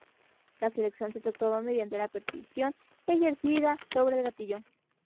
La selección se efectuaba mediante la presión ejercida sobre el gatillo.